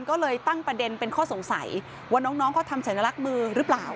ก็เลยตั้งประเด็นเป็นข้อสงสัยว่าน้องเขาทำสัญลักษณ์มือหรือเปล่า